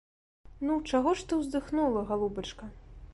Ну, чаго ж ты ўздыхнула, галубачка?